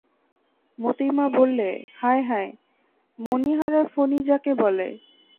মোতির মা বললে, হায় হায়, মণিহারা ফণী যাকে বলে।